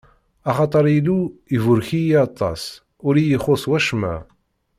Axaṭer Illu iburek-iyi aṭas, ur yi-ixuṣṣ wacemma.